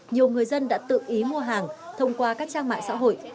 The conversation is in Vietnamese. nhiều người dân đã tự ý mua hàng thông qua các trang mạng xã hội